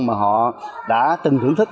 mà họ đã từng thưởng thức